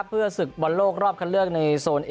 เพื่อสุขบนโลกรอบเขาเคือเลือกในโสนนี้